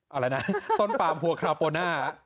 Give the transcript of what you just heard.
อะไรนะต้นปามหัวคราวโปน่า